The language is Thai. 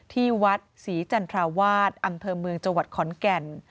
ที่วัดศรีจันทราวาสอำเภอเมืองจังหวัดขอนแก่น